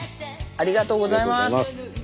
ありがとうございます。